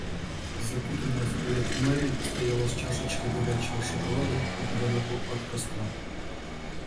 Закутанная в плед Мэри стояла с чашкой горячего шоколада неподалёку от костра.